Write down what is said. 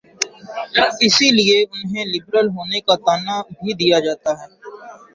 اسی لیے انہیں لبرل ہونے کا طعنہ بھی دیا جاتا ہے۔